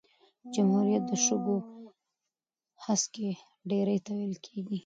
جمهوریت د شګو هسکی ډېرۍ ته ویل کیږي.